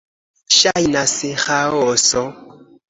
Ŝajnas ĥaoso...